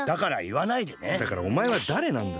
だからおまえはだれなんだよ。